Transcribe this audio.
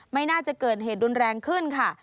ไม่น่าจะเกิดเหตุรุนแรงขึ้นค่ะ